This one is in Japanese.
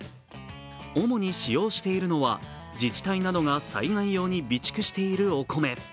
主に使用しているのは自治体などが災害などに備蓄しているお米。